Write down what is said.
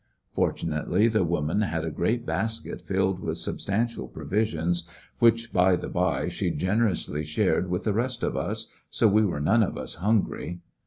Fortunately the woman had a great basket filled with substantial provisions, which, by the way, she generously shared with the rest of us, so we were none of us hungry.